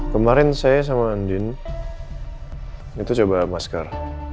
kemarin saya sama andin itu coba masker